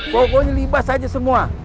pokoknya libas aja semua